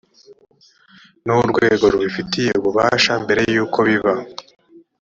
n urwego rubifitiye ububasha mbere y uko biba